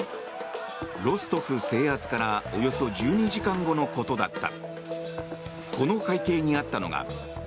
ロストフ制圧からおよそ１２時間後のことだった。